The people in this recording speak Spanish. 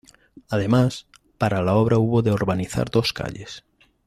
Además, para la obra hubo de urbanizar dos calles.